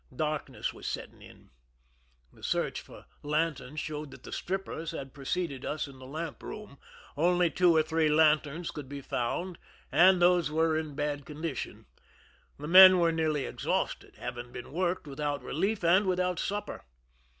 Darkness was setting in. The search for lanterns showed that the strippers had preceded us in the lamp room ; only two or three lanterns could he found, and those were in bad con dition. The mien were nearly exhausted, having been working without relief and without supper.